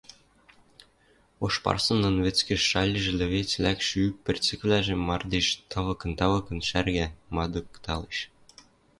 Ош парсынын вӹцкӹж шальжы лӹвец лӓкшӹ ӱп пӹрцӹквлӓжӹм мардеж тавыкын-тавыкын шӓргӓ, мадыкталеш.